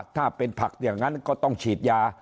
ถ้าเป็นผักอย่างนั้นก็ต้องฉีดยา